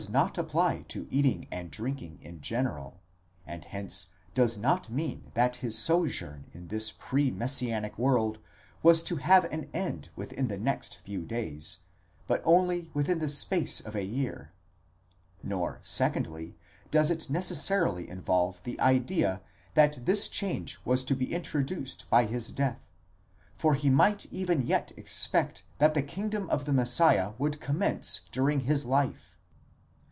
not apply to eating and drinking in general, and hence does not mean that his sojourn in this pre messianic world was to have an end within the next few days, but only within the space of a year; nor, secondly, does it neces sarily involve the idea that this change was to be introduced by his death, for he might even yet expect that the kingdom of the Messiah would commence during his life.